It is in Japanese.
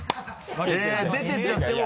えぇ出てっちゃっても。